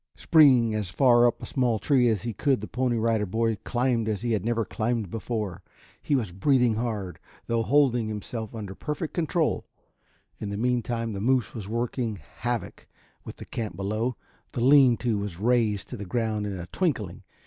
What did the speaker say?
Springing as far up a small tree as he could the Pony Rider Boy climbed as he had never climbed before. He was breathing hard, though holding himself under perfect control. In the meantime the moose was working havoc with the camp below. The lean to was razed to the ground in a twinkling.